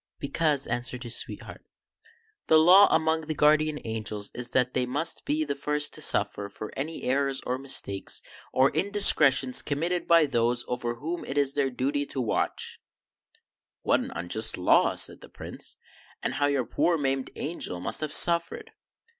" Because," answered his sweetheart, " the law among the Guardian Angels is that they must be the first to suffer for any errors or mistakes or indiscretions committed by those over whom it is their duty to watch "" What an unjust law," said the Prince, " and how your poor maimed angel must have suffered